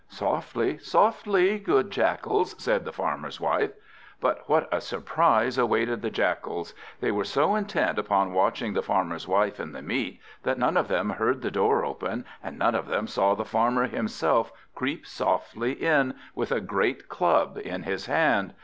"Softly, softly, good Jackals!" said the Farmer's wife. But what a surprise awaited the Jackals! They were so intent upon watching the Farmer's wife and the meat, that none of them heard the door open, and none of them saw the Farmer himself creep softly in, with a great club in his hand.